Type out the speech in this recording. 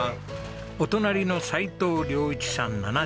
お隣の斉藤良一さん７４歳。